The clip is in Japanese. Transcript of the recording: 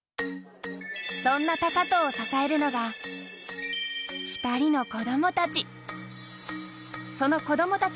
そんな高藤を支えるのが、２人の子どもたち。